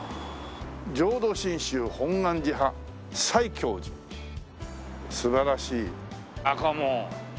「浄土真宗本願寺派西教寺」素晴らしい赤門。